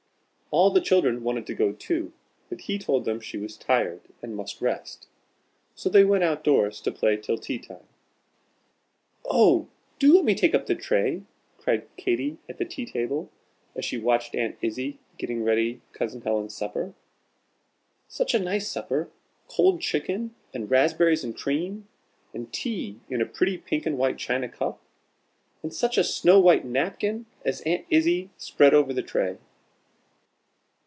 All the children wanted to go too, but he told them she was tired, and must rest. So they went out doors to play till tea time. "Oh, do let me take up the tray," cried Katy at the tea table, as she watched Aunt Izzie getting ready Cousin Helen's supper. Such a nice supper! Cold chicken, and raspberries and cream, and tea in a pretty pink and white china cup. And such a snow white napkin as Aunt Izzie spread over the tray!